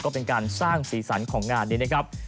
ก็เป็นการสร้างสีสันของงานนี้นะครับ